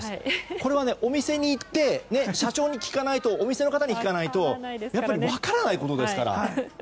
これはお店に行って社長に聞かないとお店の方に聞かないと分からないことですから。